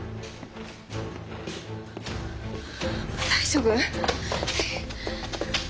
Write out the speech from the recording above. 大丈夫？